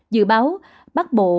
dự báo bắc bộ